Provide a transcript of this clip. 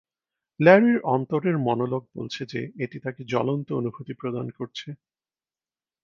ল্যারির অন্তরের মনোলগ বলছে যে এটি তাকে "জ্বলন্ত অনুভূতি" প্রদান করছে।